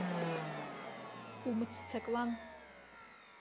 Умыццаклан!